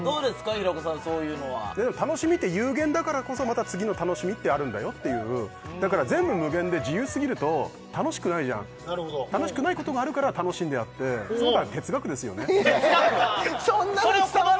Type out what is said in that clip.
平子さんそういうのはでも楽しみって有限だからこそまた次の楽しみってあるんだよっていうだから全部無限で自由すぎると楽しくないじゃん楽しくないことがあるから楽しいんであってそう思ったら哲学ですよねえー？